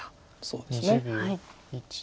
そうですね。